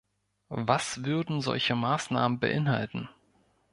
Was würden solche Maßnahmen beinhalten?